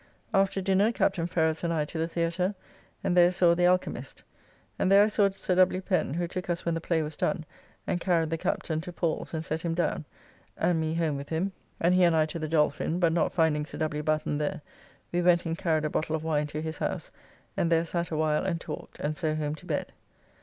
After dinner Captain Ferrers and I to the Theatre, and there saw "The Alchymist;" and there I saw Sir W. Pen, who took us when the play was done and carried the Captain to Paul's and set him down, and me home with him, and he and I to the Dolphin, but not finding Sir W. Batten there, we went and carried a bottle of wine to his house, and there sat a while and talked, and so home to bed.